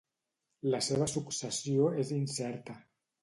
La seva successió és incerta.